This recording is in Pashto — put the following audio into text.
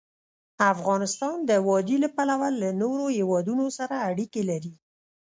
افغانستان د وادي له پلوه له نورو هېوادونو سره اړیکې لري.